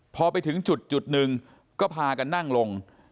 พอไปถึงจุดหนึ่งก็พากันนั่งลง